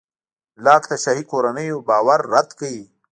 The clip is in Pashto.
لاک د شاهي کورنیو باور رد کړ.